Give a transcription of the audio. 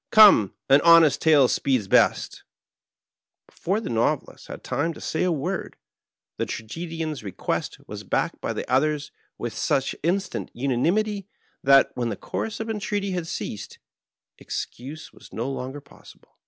Come — ^an honest tale speeds best.'" Before the Novelist had time to say a word, the Tragedian's request was backed by the others with such instant unanimity, Digitized by VjOOQIC 16 ON BOARD THE ''BAVARIA:' that, wlien the choras of entreaty had ceased, excuse was no longer possible.